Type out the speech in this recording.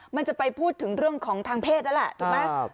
มันจะไปพูดถึงเรื่องของทางเพศนั่นแหละถูกไหม